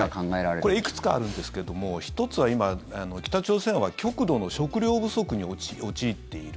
これいくつかあるんですけども１つは今、北朝鮮は極度の食糧不足に陥っている。